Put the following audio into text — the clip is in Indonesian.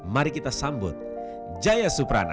mari kita sambut jaya suprana